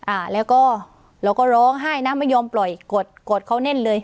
อ่าแล้วก็เราก็ร้องไห้นะไม่ยอมปล่อยกดกดเขาแน่นเลย